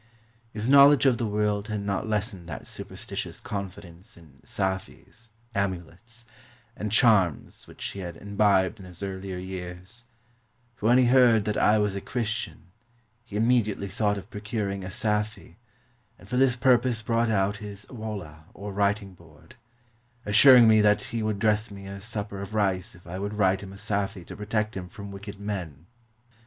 His knowledge of the world had not lessened that superstitious confidence in saphies (amulets) and charms which he had imbibed in his earlier years; for when he heard that I was a Christian, he immediately thought of procuring a saphie, and for this purpose brought out his walha, or writing board — assuring me that he would dress me a supper of rice if I would write him a saphie to protect him from wicked men.